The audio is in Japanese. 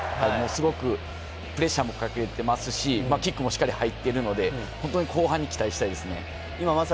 すごくプレッシャーもかけていますし、キックもしっかり入っているので、後半に期待したいですね。